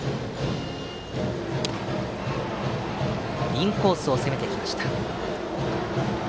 インコースを攻めてきました。